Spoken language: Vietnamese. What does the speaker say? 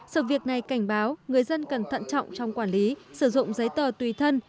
sự việc này cảnh báo người dân cần thận trọng trong quản lý sử dụng giấy tờ tùy thân